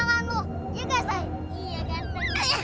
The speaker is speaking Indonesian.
coba lu ikut gua gabung dari dulu